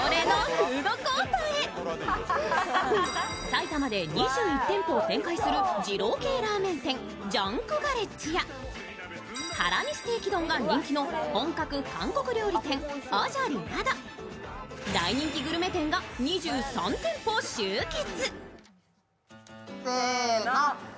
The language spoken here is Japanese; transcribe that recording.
埼玉で２１店舗を展開する二郎系ラーメン店ジャンクガレッジやハラミステーキ丼が人気の本格韓国料理店、吾照里など大人気グルメ店が２３店舗集結。